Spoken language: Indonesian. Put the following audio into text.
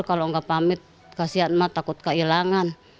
kalau gak pamit kasian mah takut kehilangan